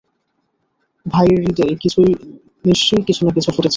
ভাইয়ের হৃদয়ে নিশ্চয়ই কিছু না কিছু ফুটেছে।